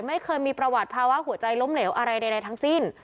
ไม่เคยมีประวัติภาวะหัวใจล้มเหลวอะไรใดทั้งสิ้น